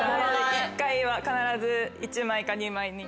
一回は必ず１枚か２枚に。